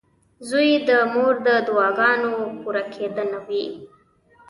• زوی د مور د دعاګانو پوره کېدنه وي.